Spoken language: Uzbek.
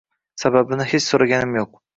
Sababini hech so’raganim yo’q.